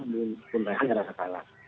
bung renhardt tidak ada masalah